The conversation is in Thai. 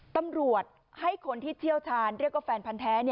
ตำรวจให้คนที่เชี่ยวชาญเรียกว่าแฟนพันธ์แท้